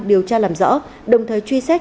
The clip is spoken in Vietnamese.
điều tra làm rõ đồng thời truy xét